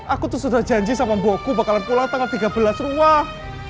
aku tuh sudah janji sama buku bakalan pulang tanggal tiga belas rumah